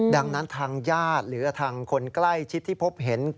ดังนั้นทางญาติหรือทางคนใกล้ชิดที่พบเห็น